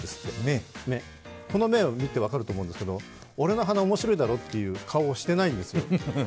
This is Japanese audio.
この目を見て分かると思うんですけれども、俺の鼻面白いだろっていう顔をしていないんですよ。